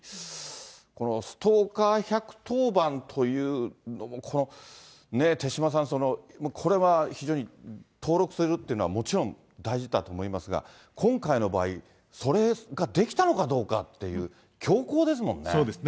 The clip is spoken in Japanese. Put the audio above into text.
このストーカー１１０番というのも、この手嶋さん、これは非常に、登録するというのはもちろん大事だと思いますが、今回の場合、それができたのかどうかっていう、そうですね。